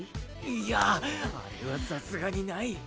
いやあれはさすがにない！